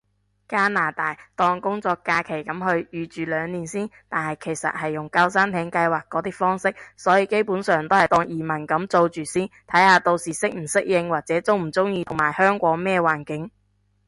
加拿大，當工作假期噉去，預住兩年先，但係其實係用救生艇計劃嗰啲方式，所以基本上都係當移民噉做住先，睇下到時適唔適應，或者中唔中意，同埋香港咩環境